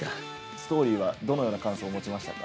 ストーリーはどのような感想を持ちましたか？